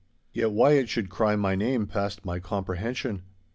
Yet why it should cry my name passed my comprehension.